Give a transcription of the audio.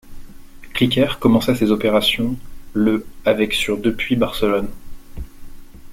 Clickair commença ses opérations le avec sur depuis Barcelone.